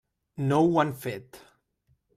No ho han fet.